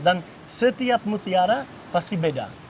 dan setiap mutiara pasti beda